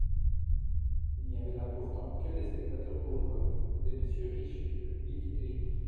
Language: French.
Il n'y avait là pourtant que des spectateurs bourgeois, des messieurs riches, le public élégant.